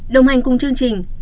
đồng hành cùng chương trình